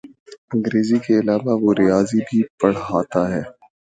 انگریزی کے علاوہ وہ ریاضی بھی پڑھاتا ہے۔